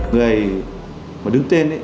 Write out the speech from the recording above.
người đứng tên